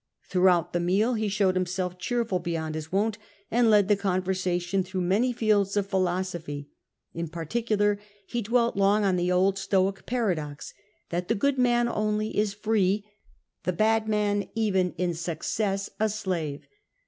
Throughout the meal he showed him self cheerful beyond his wont, and led the conversation through many fields of philosophy. In particular, he dwelt long on the old Stoic paradox that " the good man only is free, the bad man, even in success, a slave."